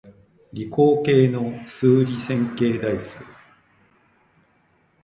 理工系の数理線形代数